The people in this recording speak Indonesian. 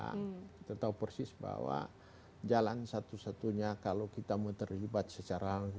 kita tahu persis bahwa jalan satu satunya kalau kita mau terlibat secara langsung